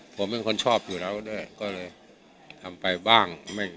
ผมเป็นคนชอบอยู่แล้วด้วยก็เลยทำไปบ้าง